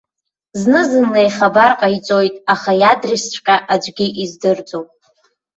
Зны-зынла ихабар ҟаиҵоит, аха иадресҵәҟьа аӡәгьы издырӡом.